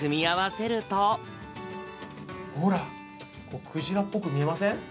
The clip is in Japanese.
ほら、クジラっぽく見えません？